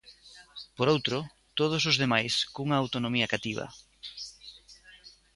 Por outro, todos os demais cunha autonomía cativa.